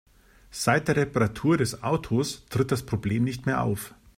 Seit der Reparatur des Autos tritt das Problem nicht mehr auf.